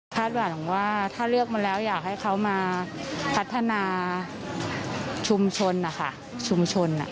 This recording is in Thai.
คาดหวังว่าถ้าเลือกมาแล้วอยากให้เขามาพัฒนาชุมชน